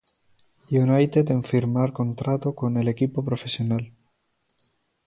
United en firmar contrato con el equipo profesional.